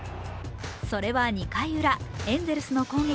それは２回ウラ、エンゼルスの攻撃、